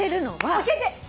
教えて！